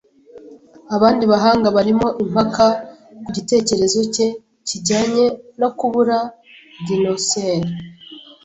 Abandi bahanga barimo impaka ku gitekerezo cye kijyanye no kubura dinosaur